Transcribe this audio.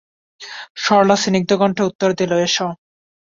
সরলা সিনগ্ধ কণ্ঠে উত্তর দিলে, এসো।